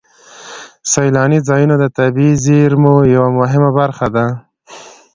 سیلاني ځایونه د طبیعي زیرمو یوه مهمه برخه ده.